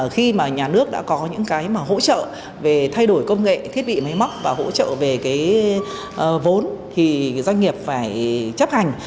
khi mà nhà nước đã có những cái mà hỗ trợ về thay đổi công nghệ thiết bị máy móc và hỗ trợ về cái vốn thì doanh nghiệp phải chấp hành